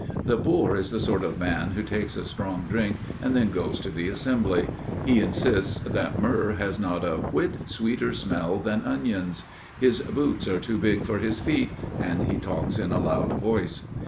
The boor is the sort of man who takes a strong drink and then goes to the Assembly. He insists that myrrh has not a whit sweeter smell than onions. His boots are too big for his feet and he talks in a loud voice.